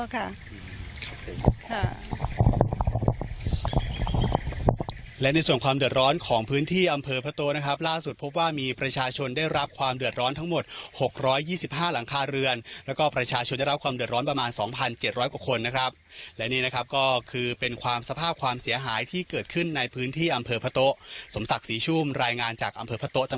ค่ะหนักที่สุดค่ะหนักที่สุดหนักมากถ้าเป็นกลางคืนพี่ว่าพี่คงจะไปสบายแล้วอะค่ะ